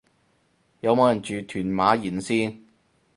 有冇人住屯馬沿線